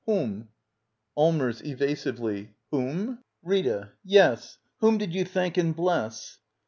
] Whom? Allmbrs. [Evasively,] Whom —? Rita. Yes; whom did you thank and bless?